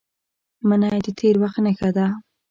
منی د تېر وخت نښه ده